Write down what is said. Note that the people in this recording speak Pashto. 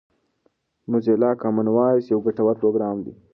موزیلا کامن وایس یو ګټور پروګرام دی.